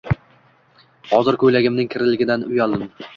Hozir koʻylagimning kirligidan uyaldim.